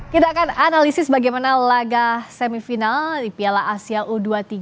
kita akan analisis bagaimana laga semifinal di piala asia u dua puluh tiga